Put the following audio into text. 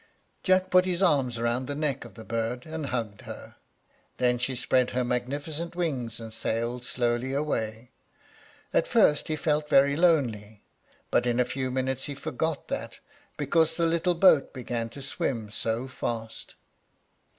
Jack put his arms round the neck of the bird, and hugged her; then she spread her magnificent wings and sailed slowly away. At first he felt very lonely, but in a few minutes he forgot that, because the little boat began to swim so fast.